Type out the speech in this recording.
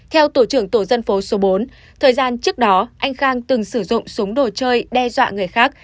theo tổ trưởng tổ dân phố số bốn thời gian trước đó anh khang từng sử dụng súng đồ chơi đe dọa người khác